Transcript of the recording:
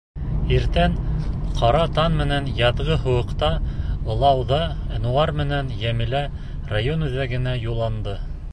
Иртән, ҡара таң менән яҙғы һыуыҡта ылауҙа Әнүәр менән Йәмилә район үҙәгенә юлланды.